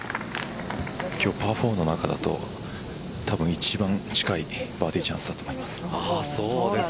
今日パー４の中だとたぶん一番近いバーディーチャンスだと思います。